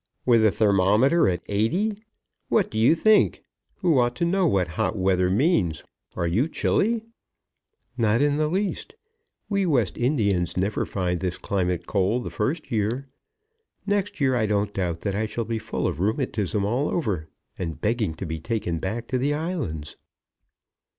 "With the thermometer at 80°! What do you think, who ought to know what hot weather means? Are you chilly?" "Not in the least. We West Indians never find this climate cold the first year. Next year I don't doubt that I shall be full of rheumatism all over, and begging to be taken back to the islands."